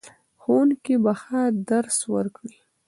ښوونکي به ښه درس ورکړي.